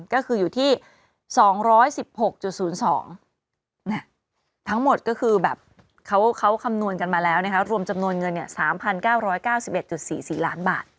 ก็คืออยู่ที่๒๑๖๐๒ทั้งหมดก็คือแบบเขาคำนวณกันมาแล้วนะคะรวมจำนวนเงิน๓๙๙๑๔๔ล้านบาท